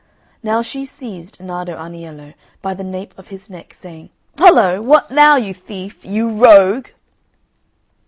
Now she seized Nardo Aniello by the nape of his neck, saying, "Hollo! what now, you thief! you rogue!"